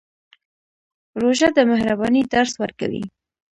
روژه د مهربانۍ درس ورکوي.